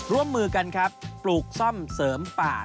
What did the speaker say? ร่วมมือกันครับปลูกซ่อมเสริมป่า